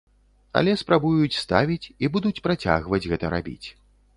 Але спрабуюць ставіць і будуць працягваць гэта рабіць.